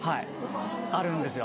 あるんですよ